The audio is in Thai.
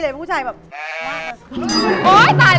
ตอนนี้ก็เย็นได้